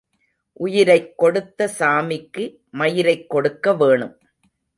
உயிரைக் கொடுத்த சாமிக்கு மயிரைக் கொடுக்க வேணும்.